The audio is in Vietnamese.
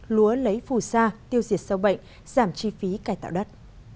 lúa lấy phù sa tiêu diệt sâu bệnh giảm chi phí cài tạo đất